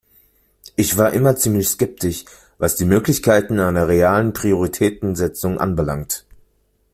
Ich war immer ziemlich skeptisch, was die Möglichkeit einer realen Prioritätensetzung anbelangt.